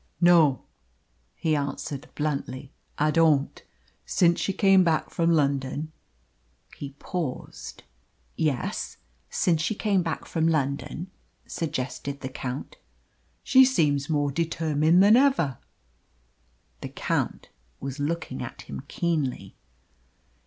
"No," he answered bluntly, "I don't. Since she came back from London " he paused. "Yes, since she came back from London?" suggested the Count. "She seems more determined than ever." The Count was looking at him keenly.